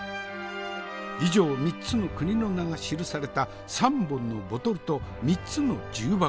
以上３つの国の名が記された３本のボトルと３つの重箱。